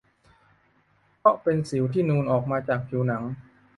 เพราะเป็นสิวที่นูนออกมาจากผิวหนัง